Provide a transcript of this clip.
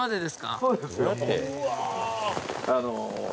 そうですよ